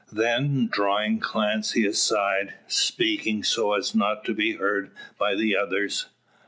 Then drawing Clancy aside, speaking so as not to be heard by the others.